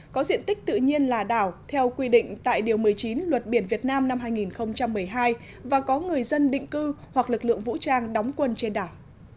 có diện tích tự nhiên là đảo theo quy định tại điều một mươi chín luật biển việt nam năm hai nghìn một mươi hai và có người dân định cư hoặc lực lượng vũ trang đóng quân trên đảo